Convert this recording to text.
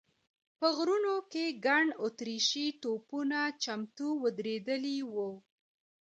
په غرونو کې ګڼ اتریشي توپونه چمتو ودرېدلي و.